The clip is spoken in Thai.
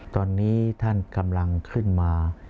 ตอนนี้ท่านกำลังขึ้นมา